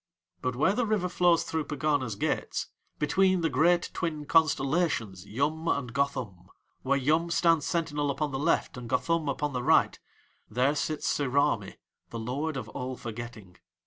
But where the River flows through Pegana's gates, between the great twin constellations Yum and Gothum, where Yum stands sentinel upon the left and Gothum upon the right, there sits Sirami, the lord of All Forgetting.